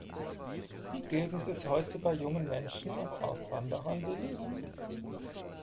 Die Gegend ist heute bei jungen Menschen und Auswanderern beliebt.